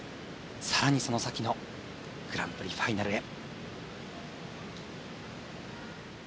更にその先のグランプリファイナルへ。